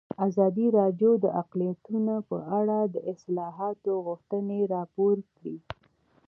ازادي راډیو د اقلیتونه په اړه د اصلاحاتو غوښتنې راپور کړې.